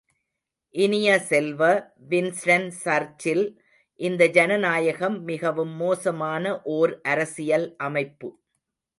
இனிய செல்வ, Winston Churchill இந்த ஜன நாயகம் மிகவும் மோசமான ஓர் அரசியல் அமைப்பு.